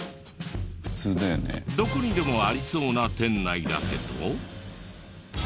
どこにでもありそうな店内だけど。